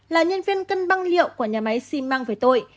là nhân viên cân băng liệu của nhà máy xi măng với tôi